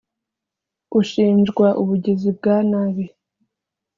ushinjwa ubugizi bwa nabi